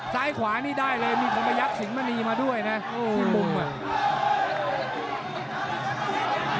ซ้ายขวานี่ได้เลยมีธรรมยักษ์สิงห์มะนีมาด้วยนะที่มุมอ่ะ